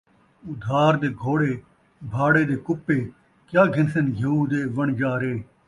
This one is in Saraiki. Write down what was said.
اُدھار دے گھوڑے، بھاڑے دے کُپے، کیا گھنسن گھیو دے وݨجارے